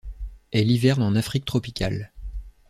Elle hiverne en Afrique tropicale.